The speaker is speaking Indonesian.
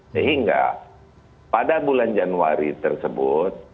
sehingga pada bulan januari tersebut